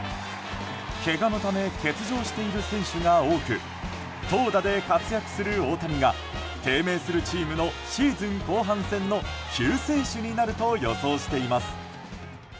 けがのため欠場している選手が多く投打で活躍する大谷が低迷するチームのシーズン後半戦の救世主になると予想しています。